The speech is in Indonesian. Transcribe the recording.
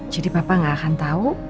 jadi papa gak akan tau